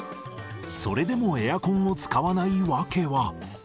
それでもエアコンを使わない訳は。